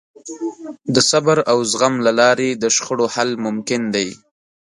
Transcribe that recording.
د صبر او زغم له لارې د شخړو حل ممکن دی.